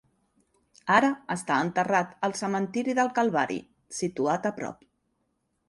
Ara està enterrat al cementiri del Calvari, situat a prop.